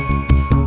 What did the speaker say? mak mau beli es krim